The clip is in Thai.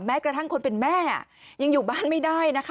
กระทั่งคนเป็นแม่ยังอยู่บ้านไม่ได้นะคะ